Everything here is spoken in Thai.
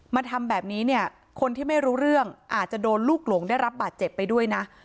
มาทำแบบนี้เนี่ยคนที่ไม่รู้เรื่องอาจจะโดนลูกหลงได้รับบาดเจ็บไปด้วยนะ